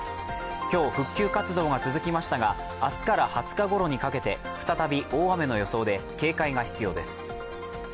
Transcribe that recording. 今日復旧活動が続きましたが、明日から２０日ごろにかけて再び大雨の予想で警戒が必要です。